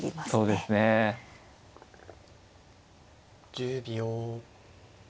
１０秒。